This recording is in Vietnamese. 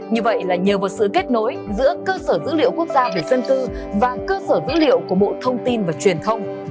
như vậy là nhờ vào sự kết nối giữa cơ sở dữ liệu quốc gia về dân cư và cơ sở dữ liệu của bộ thông tin và truyền thông